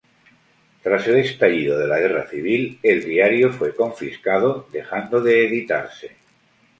Tras el estallido de la Guerra civil el diario fue confiscado, dejando de editarse.